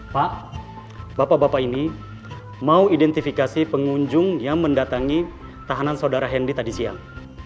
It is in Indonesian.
pak bapak bapak ini mau identifikasi pengunjung yang mendatangi tahanan saudara hendy tadi siang